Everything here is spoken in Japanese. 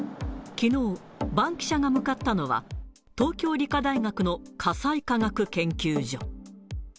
きのう、バンキシャが向かったのは、東京理科大学の火災科学研究所。